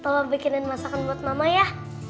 tolong bikinin masakan buat mama ya